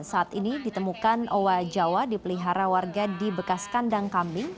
saat ini ditemukan owa jawa dipelihara warga di bekas kandang kambing